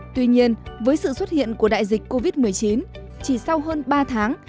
tuy nhiên với sự xuất hiện của đại dịch covid một mươi chín chỉ sau hơn ba tháng